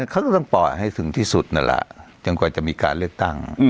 เขาก็ต้องปล่อยให้ถึงที่สุดนั่นแหละจนกว่าจะมีการเลือกตั้ง